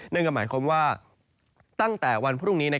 นั่นก็หมายความว่าตั้งแต่วันพรุ่งนี้